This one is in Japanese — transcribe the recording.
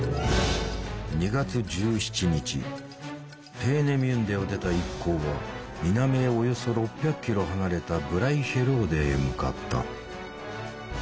ペーネミュンデを出た一行は南へおよそ６００ｋｍ離れたブライヒェローデへ向かった。